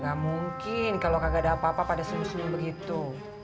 gak mungkin kalau kagak ada apa apa pada sungguh sungguh begitu